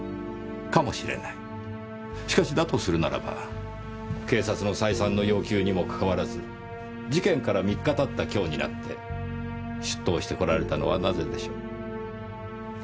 しかしだとするならば警察の再三の要求にも関わらず事件から３日経った今日になって出頭してこられたのはなぜでしょう？